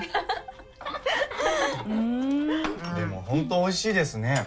でも本当おいしいですね。